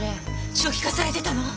初期化されてたの！？